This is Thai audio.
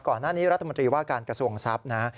ก่อนหน้านี้รัฐมนตรีว่าการกระทรวงทรัพย์นะ